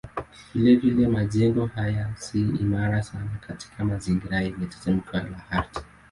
Vilevile majengo haya si imara sana katika mazingira yenye tetemeko la ardhi.